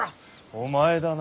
お前だな？